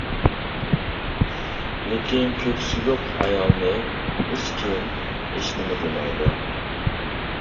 لېكىن كۆكسى يوق ئايالنى ھېچكىم ھېچنېمە دېمەيدۇ.